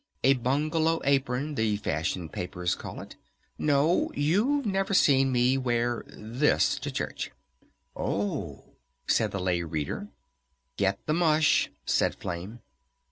"A bungalow apron, the fashion papers call it.... No, you've never seen me wear this to church." "O h," said the Lay Reader. "Get the mush," said Flame.